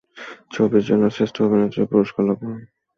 ছবির জন্য শ্রেষ্ঠ অভিনেত্রীর পুরস্কার লাভ করেন।